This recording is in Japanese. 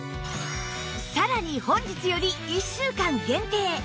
さらに本日より１週間限定